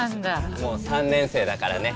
もう３年生だからね。